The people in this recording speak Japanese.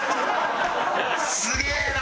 すげえな！